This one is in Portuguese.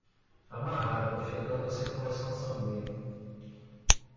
Amarrado afetando a circulação sanguínea